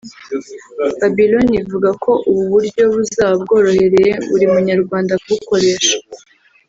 Babylon ivuga ko ubu buryo buzaba bworoheye buri Munyarwanda kubukoresha